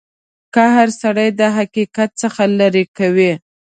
قهر سړی د حقیقت څخه لرې کوي.